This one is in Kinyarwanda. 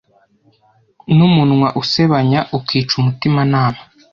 n’umunwa usebanya ukica umutimanama.